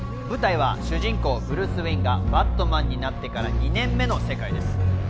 舞台は主人公・ブルース・ウェインがバットマンになってから２年目の世界です。